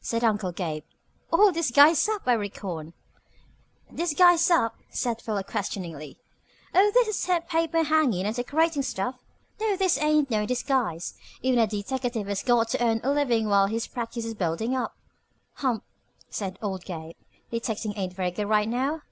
said Uncle Gabe. "All disguised up, I reckon." "Disguised up?" said Philo questioningly. "Oh, this here paper hanging and decorating stuff? No, this ain't no disguise. Even a deteckative has got to earn a living while his practice is building up." "Humph!" said old Gabe. "Detecting ain't very good right now?"